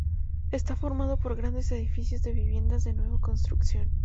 Está formado por grandes edificios de viviendas de nueva construcción.